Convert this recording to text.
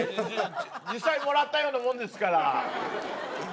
実際もらったようなもんですから。